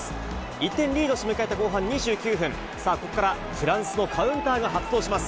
１点リードして迎えた後半２９分、さあ、ここからフランスのカウンターが発動します。